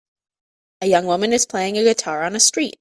A young woman is playing a guitar on a street